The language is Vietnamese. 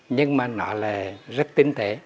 nhưng mà nó là rất tinh thể